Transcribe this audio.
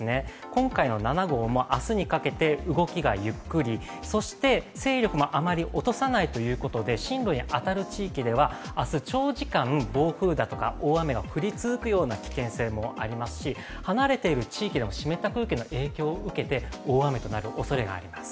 今回の７号も明日にかけて動きがゆっくりそして、勢力もあまり落とさないということで進路に当たる地域では明日、長時間暴風だとか大雨が降り続くような危険性もありますし離れている地域でも湿った空気の影響を受けて大雨となるおそれがあります。